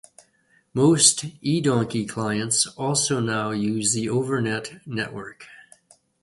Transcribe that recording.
Most eDonkey clients also now use the Overnet network.